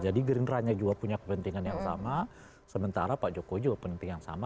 jadi gerindranya juga punya kepentingan yang sama sementara pak jokowi juga penting yang sama